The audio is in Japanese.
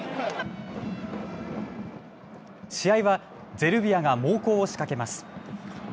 試合はゼルビアが猛攻を仕掛けます。